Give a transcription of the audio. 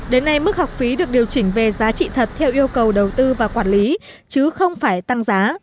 đến nay mức học phí được điều chỉnh về giá trị thật theo yêu cầu đầu tư và quản lý chứ không phải tăng giá